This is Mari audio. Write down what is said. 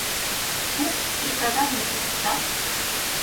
Фукс приказанийым шуктышат